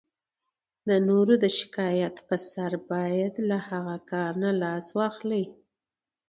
د نورو د شکایت په سر باید له هغه کار نه لاس واخلئ.